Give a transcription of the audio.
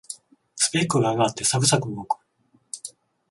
スペックが上がってサクサク動く